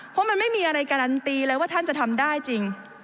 เพราะมันไม่มีอะไรการันตีเลยว่าท่านจะทำได้จริง